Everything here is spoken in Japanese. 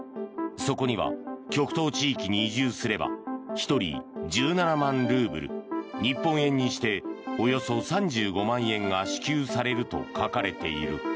そこには、極東地域に移住すれば１人１７万ルーブル日本円にしておよそ３５万円が支給されると書かれている。